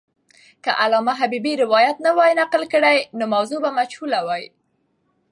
که علامه حبیبي روایت نه وای نقل کړی، نو موضوع به مجهوله وای.